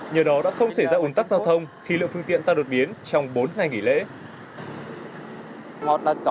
nhờ đó đã không xảy ra ủng tắc giao thông